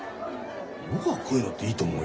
僕はこういうのっていいと思うよ。